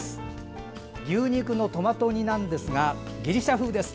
牛肉のトマト煮なんですがギリシャ風です。